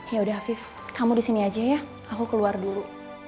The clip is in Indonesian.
yaudah afif kamu disini aja ya aku keluar dulu